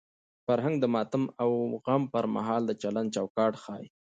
فرهنګ د ماتم او غم پر مهال د چلند چوکاټ ښيي.